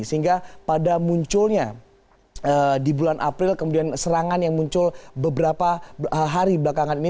sehingga pada munculnya di bulan april kemudian serangan yang muncul beberapa hari belakangan ini